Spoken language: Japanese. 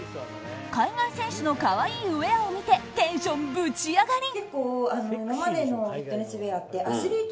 海外選手の可愛いウェアを見てテンションぶち上がり！